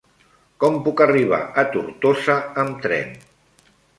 Com puc arribar a Tortosa amb tren?